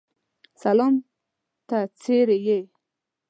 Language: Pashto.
سلام ته څرې یې؟